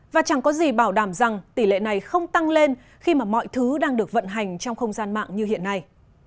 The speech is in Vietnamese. và chẳng có gì bảo đảm rằng tỷ lệ này không tăng lên khi mà mọi thứ đang được vận hành trong không gian mạng như hiện nay